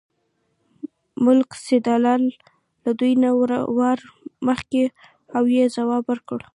ملک سیدلال له دوی نه وار مخکې کړ او یې ځواب ورکړ.